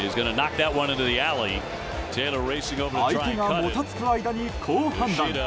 相手がもたつく間に好判断。